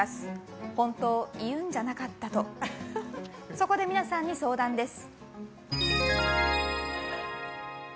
そこで皆さんに相談です。